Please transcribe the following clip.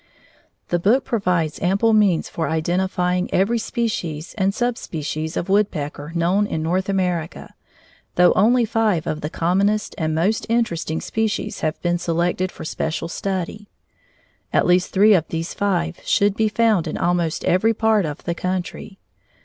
The book provides ample means for identifying every species and subspecies of woodpecker known in North America, though only five of the commonest and most interesting species have been selected for special study. At least three of these five should be found in almost every part of the country.